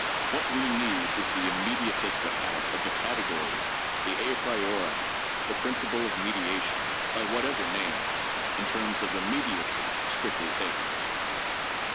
What we need is the immediatist 's account of the 'categories,' the 'a priori,' the principles of mediation, by whatever name, in terms of immediacy strictly taken.